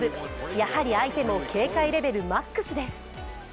やはり相手も警戒レベルマックスです。